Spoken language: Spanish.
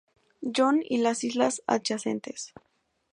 John y las islas adyacentes.